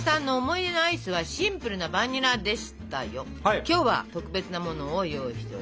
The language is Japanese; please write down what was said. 今日は特別なものを用意しております。